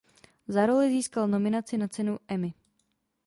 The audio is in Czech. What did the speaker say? Za roli získal nominaci na cenu Emmy.